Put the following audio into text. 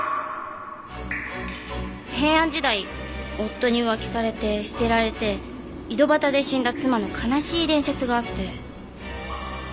平安時代夫に浮気されて捨てられて井戸端で死んだ妻の悲しい伝説があって。